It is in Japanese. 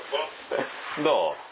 どう？